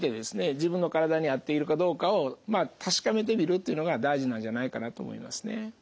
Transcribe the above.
自分の体に合っているかどうかを確かめてみるっていうのが大事なんじゃないかなと思いますね。